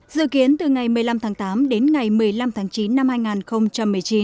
dự kiến từ ngày một mươi năm tháng tám đến ngày một mươi năm tháng chín năm hai nghìn một mươi chín